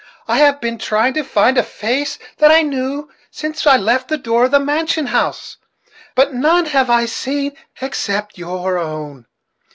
"I have been trying to find a face that I knew since we left the door of the mansion house; but none have I seen except your own.